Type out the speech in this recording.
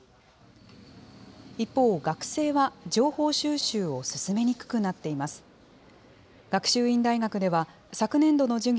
一方、学生は情報収集を進めにくくなっています。